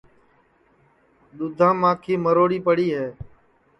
دُؔدھام ماکھی مروڑی پڑی ہے